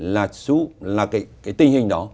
là tình hình đó